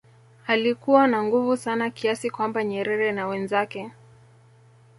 alikuwa na nguvu sana kiasi kwamba Nyerere na wenzake